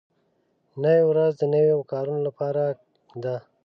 نوې ورځ د نویو کارونو لپاره ده